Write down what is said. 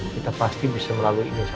kita pasti bisa melalui ini sa